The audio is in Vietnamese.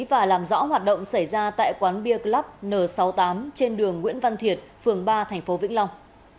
và làm rõ hoạt động xảy ra tại quán beer club n sáu mươi tám trên đường nguyễn văn thiệt phường ba tp vĩnh long